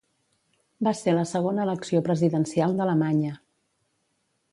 Va ser la segona elecció presidencial d'Alemanya.